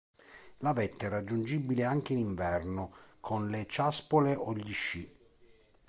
La vetta è raggiungibile anche in inverno, con le ciaspole o gli sci.